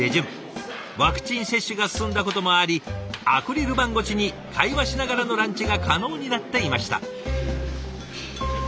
ワクチン接種が進んだこともありアクリル板越しに会話しながらのランチが可能になっていました。